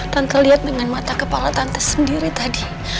tante lihat dengan mata kepala tante sendiri tadi